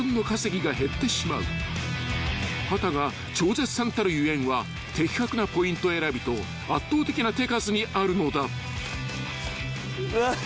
［秦が超絶さんたるゆえんは的確なポイント選びと圧倒的な手数にあるのだ］